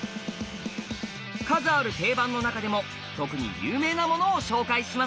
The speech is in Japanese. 数ある定番の中でも特に有名なものを紹介します。